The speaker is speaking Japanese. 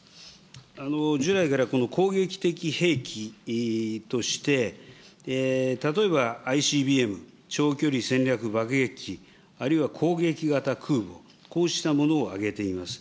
従来から、この攻撃的兵器として、例えば、ＩＣＢＭ、長距離戦略爆撃機、あるいは攻撃型空母、こうしたものを挙げています。